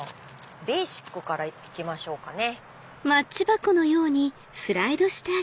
ベーシックから行きましょうかね。